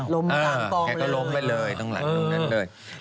กลางกองแกก็ล้มไปเลยตรงหลังตรงนั้นเลย